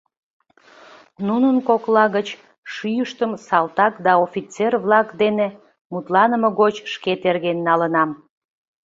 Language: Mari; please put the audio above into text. — Нунын кокла гыч шӱйыштым салтак да офицер-влак дене мутланыме гоч шке терген налынам.